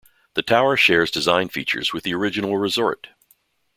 The tower shares design features with the original resort.